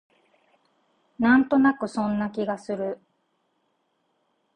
なんとなくそんな気がする